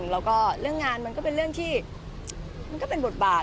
แล้วก็เรื่องงานมันก็เป็นเรื่องที่มันก็เป็นบทบาท